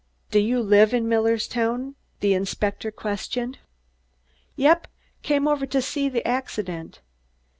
"Do you live in Millerstown?" the inspector questioned. "Yep! Come over t' see the accident."